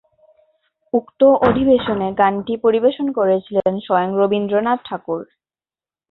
উক্ত অধিবেশনে গানটি পরিবেশন করেছিলেন স্বয়ং রবীন্দ্রনাথ ঠাকুর।